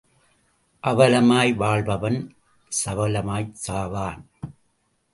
அவலமாய் வாழ்பவன் சபலமாய்ச் சாவான்.